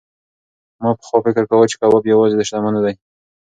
ما پخوا فکر کاوه چې کباب یوازې د شتمنو دی.